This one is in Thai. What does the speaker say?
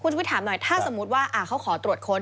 คุณชุภิถามหน่อยถ้าสมมติว่าเขาละขอตรวจคน